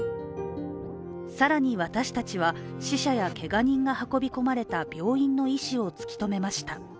更に私たちは死者やけが人が運び込まれた病院の医師を突き止めました。